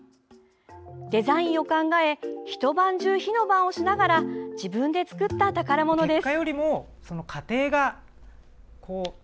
デザインを考え一晩中、火の番をしながら自分で作った宝物です。